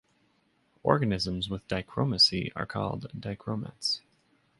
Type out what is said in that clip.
Organisms with dichromacy are called dichromats.